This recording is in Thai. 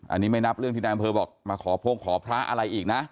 อันนี้ไม่นับเรื่องที่นายอำเภอบอกมาขอโพ่งขอพระอะไรอีกนะ